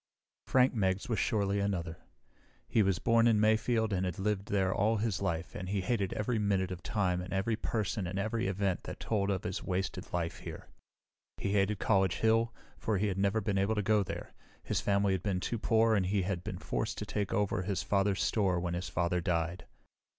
Frank Meggs was surely another. He was born in Mayfield and had lived there all his life and he hated every minute of time and every person and every event that told of his wasted life here. He hated College Hill, for he had never been able to go there. His family had been too poor, and he had been forced to take over his father's store when his father died.